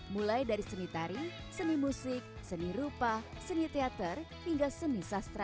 mulai dari seni tari seni musik seni rupa seni teater hingga seni sastra